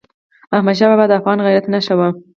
احمدشاه بابا د افغان غیرت نښه وه.